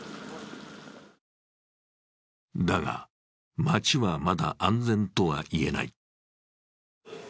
だが、街はまだ安全とは言えない。